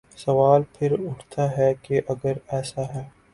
سوال پھر اٹھتا ہے کہ اگر ایسا ہے۔